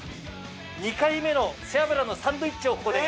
２回目の背脂のサンドイッチをここで。